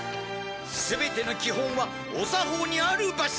全ての基本はお作法にあるバシ！